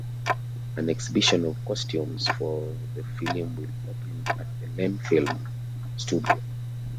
An exhibition of costumes for the film will open at the Lenfilm studio.